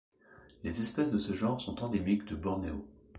Les espèces de ce genre sont endémiques de Bornéo.